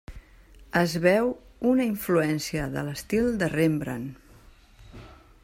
Es veu una influència de l'estil de Rembrandt.